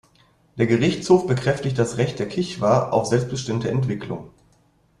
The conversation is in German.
Der Gerichtshof bekräftigt das Recht der Kichwa auf selbstbestimmte Entwicklung.